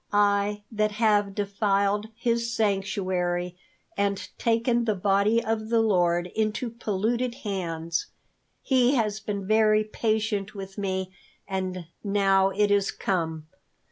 I, that have defiled His sanctuary, and taken the Body of the Lord into polluted hands, He has been very patient with me, and now it is come.